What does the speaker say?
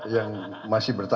yang masih bertahan